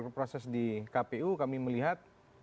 proses di kpu kami melihat